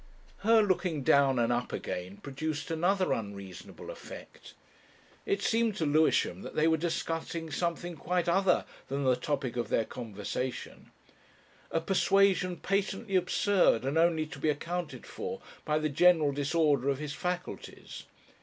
Her looking down and up again produced another unreasonable effect. It seemed to Lewisham that they were discussing something quite other than the topic of their conversation; a persuasion patently absurd and only to be accounted for by the general disorder of his faculties.